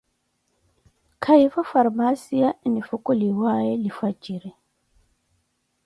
kayiivo farmaacia enifukuliwaaye lifwajiri.